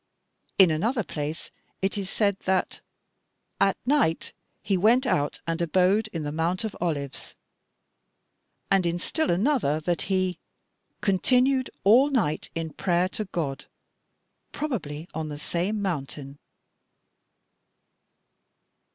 In another place it is said that 'at night he went out and abode in the Mount of Olives,' and in still another that he 'continued all night in prayer to God,' probably on the same mountain."